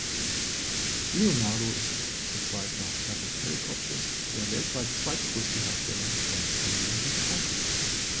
Leonardo ist zurzeit nach Airbus Helicopters der weltweit zweitgrößte Hersteller von zivilen Hubschraubern.